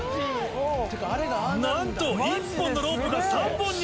なんと１本のロープが３本に。